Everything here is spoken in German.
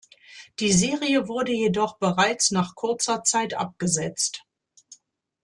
Die Serie wurde jedoch bereits nach kurzer Zeit abgesetzt.